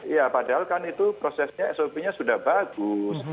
iya padahal kan itu prosesnya sop nya sudah bagus